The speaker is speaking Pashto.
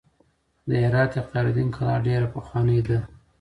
د هرات اختیار الدین کلا ډېره پخوانۍ ده.